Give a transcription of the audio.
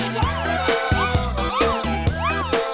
เฮ่น้องช้างแต่ละเชือกเนี่ย